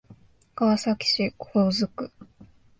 川崎市高津区